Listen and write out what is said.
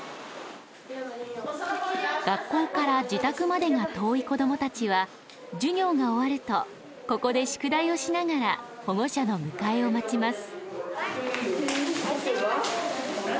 学校から自宅までが遠い子どもたちは授業が終わるとここで宿題をしながら保護者の迎えを待ちます。